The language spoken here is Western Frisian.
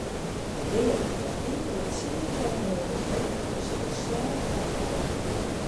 De beam fan inkelde tsientallen meters heech is folslein omwaaid.